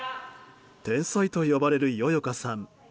天才と呼ばれる、よよかさん。